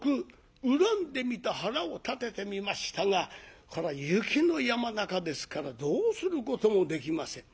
恨んでみた腹を立ててみましたがこら雪の山中ですからどうすることもできません。